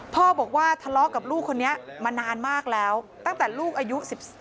พ่อบอกว่าทะเลาะกับลูกคนนี้มานานมากแล้วตั้งแต่ลูกอายุ๑๔